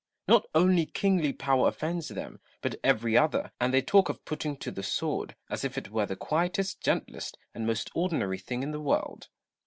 Not only kingly power offends them, but every other ; and they talk of putting to the sword, as if it were the quietest, gentlest, and most ordinary thing in the world.